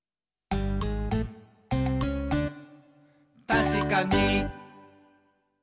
「たしかに！」